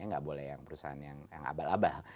nggak boleh yang perusahaan yang abal abal